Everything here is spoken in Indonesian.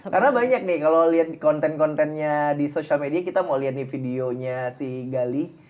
karena banyak nih kalo liat konten kontennya di sosial media kita mau liat nih videonya si gali